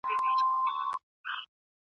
د څيړني لپاره ډېره حوصله پکار ده.